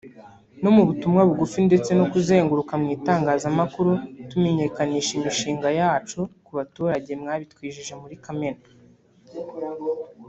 no kubutumwa bugufi ndetse no kuzenguruka mu itangazamakuru tumenyekanisha imishinga yacu ku baturage mwabitwijeje muri Kamena